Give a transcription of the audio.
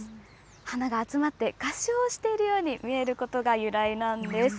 花が集まって合唱をしているように見えることが由来なんです。